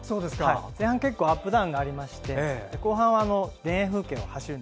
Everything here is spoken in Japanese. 前半、結構アップダウンがありまして後半は田園風景を走る。